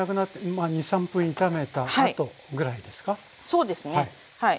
そうですねはい。